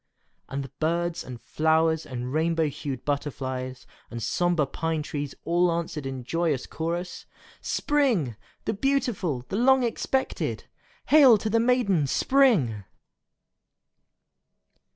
And birds and flowers and rainbow hued butterflies and sombre pine trees all answered in joyous chorus, "Spring! the beautiful, the long expected! Hail to the maiden Spring!"